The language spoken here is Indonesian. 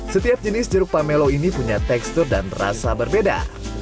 setiap jenis jeruk pamelo ini punya tekstur dan rasa berbeda